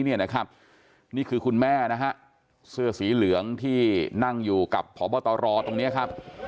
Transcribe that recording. นี่คือคุณแม่เสื้อสีเหลืองที่นั่งอยู่กับพบตรตรงนี้ครับ